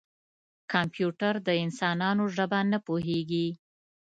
کمپیوټر د انسانانو ژبه نه پوهېږي.